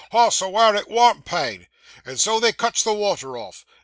Hows'ever, it warn't paid, and so they cuts the water off.